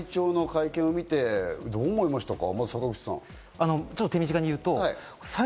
率直に田中会長の会見を見てどう思いましたか？